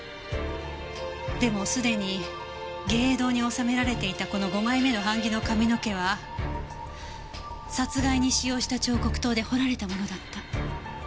でもすでに藝榮堂に納められていたこの５枚目の版木の髪の毛は殺害に使用した彫刻刀で彫られたものだった。